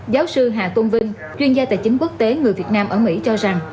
giáo sư hà tôn vinh chuyên gia tài chính quốc tế người việt nam ở mỹ cho rằng